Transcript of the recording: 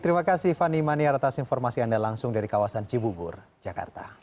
terima kasih fani maniar atas informasi anda langsung dari kawasan cibubur jakarta